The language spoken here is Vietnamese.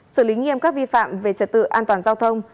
xử lý nghiêm các vi phạm về trật tự an toàn giao thông